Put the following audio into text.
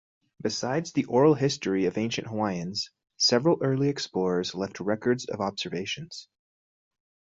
Besides the oral history of Ancient Hawaiians, several early explorers left records of observations.